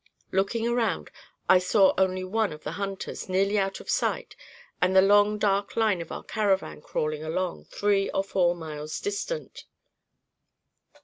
Looking around, I saw only one of the hunters, nearly out of sight, and the long dark line of our caravan crawling along, three or four miles distant."